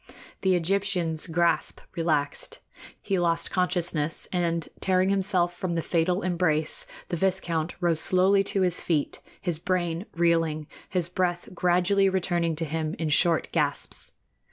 The Egyptian's grasp relaxed; he lost consciousness, and, tearing himself from the fatal embrace, the viscount rose slowly to his feet, his brain reeling, his breath gradually returning to him in short gasps.